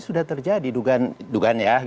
sudah terjadi dugan ya